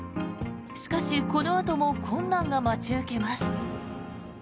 しかし、このあとも困難が待ち受けます。